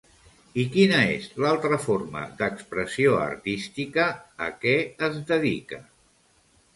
I quina és l'altra forma d'expressió artística a què es dedica?